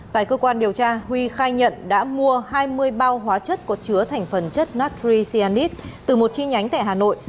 tại cơ quan điều tra huy khai nhận đã mua hai mươi bao hóa chất có chứa thành phần chất natri canite từ một chi nhánh tại hà nội